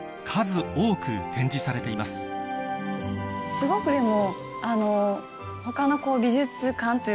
すごくでも。